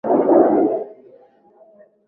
kupoteza joto na madirisha yanayokinza hewa baridi